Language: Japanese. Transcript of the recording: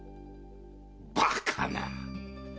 バカな！